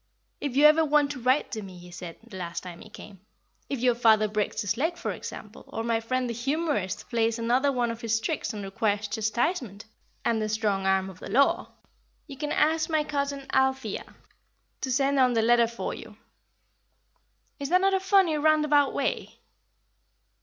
'If you ever want to write to me,' he said, the last time he came, 'if your father breaks his leg, for example, or my friend the humourist plays any of his tricks and requires chastisement, and the strong arm of the law, you can ask my cousin Althea to send on the letter for you.' Is that not a funny, roundabout way?"